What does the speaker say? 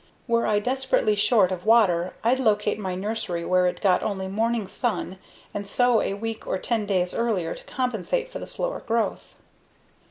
Were I desperately short of water I'd locate my nursery where it got only morning sun and sow a week or 10 days earlier to compensate for the slower growth.